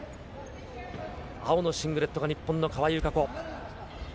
青のシングレットが日本の川井友香子。